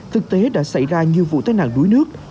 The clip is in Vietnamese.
thực tế đã xảy ra nhiều vụ tai nạn đuối nước